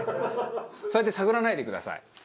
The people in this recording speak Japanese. そうやって探らないでください。